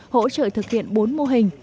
hỗ trợ thực hiện bốn mô hình